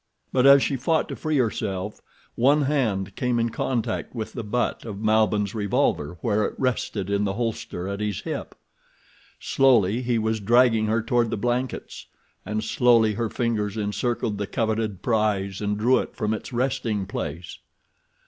But as she fought to free herself one hand came in contact with the butt of Malbihn's revolver where it rested in the holster at his hip. Slowly he was dragging her toward the blankets, and slowly her fingers encircled the coveted prize and drew it from its resting place.